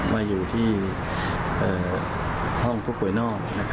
มาอยู่ที่ห้องผู้ป่วยนอก